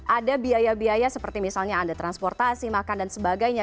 ada biaya biaya seperti misalnya anda transportasi makan dan sebagainya